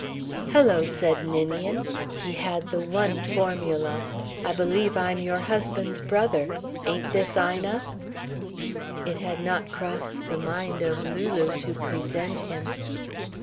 "Hello!" said Ninian. He had the one formula. "I believe I'm your husband's brother. Ain't this Ina?" It had not crossed the mind of Lulu to present him.